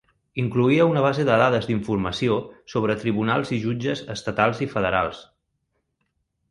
Incloïa una base de dades d’informació sobre tribunals i jutges estatals i federals.